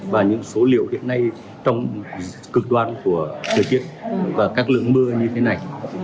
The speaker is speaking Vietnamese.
và những số liệu hiện nay trong cực đoan của lịch sử và các lượng mưa như thế này